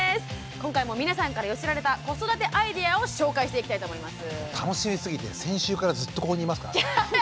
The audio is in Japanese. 今回も皆さんから寄せられた子育てアイデアを紹介していきたいと思います。